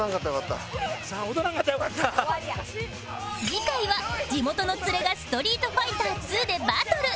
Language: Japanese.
次回は地元のツレが『ストリートファイター Ⅱ』でバトル